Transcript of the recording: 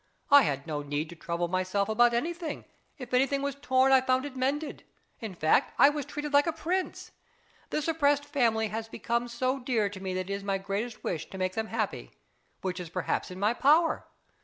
I had no need to trouble myself about anything; if anything was torn I found it mended; in fact, I was treated like a prince. This oppressed family has become so dear to me that it is my greatest wish to make them happy which is perhaps in my power.